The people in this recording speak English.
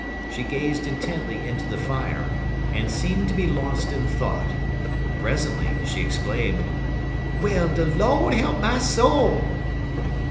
She gazed intently into the fire, and seemed to be lost in thought. Presently she exclaimed: "Well, de Lord he'p my soul!"